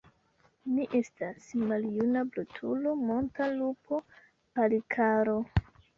Mi estas maljuna brutulo, monta lupo, Palikaro!